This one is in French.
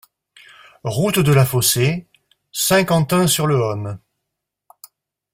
Route de la Fossé, Saint-Quentin-sur-le-Homme